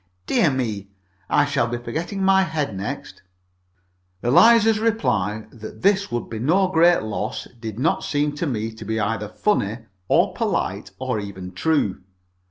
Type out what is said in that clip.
Dear me! I shall be forgetting my head next." Eliza's reply that this would be no great loss did not seem to me to be either funny, or polite, or even true.